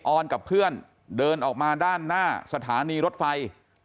ออนกับเพื่อนเดินออกมาด้านหน้าสถานีรถไฟ